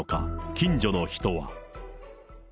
近所の人は。